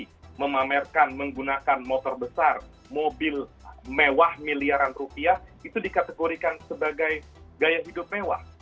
jadi memamerkan menggunakan motor besar mobil mewah miliaran rupiah itu dikategorikan sebagai gaya hidup mewah